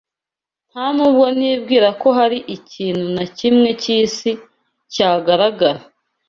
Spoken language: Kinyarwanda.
nta n’ubwo nibwira ko hari ikintu na kimwe cy’isi cyagaragara